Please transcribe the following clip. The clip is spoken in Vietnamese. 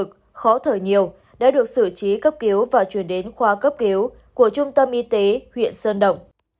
bệnh nhân khó thở nhiều đã được xử trí cấp cứu và chuyển đến khoa cấp cứu của trung tâm y tế huyện sơn đậm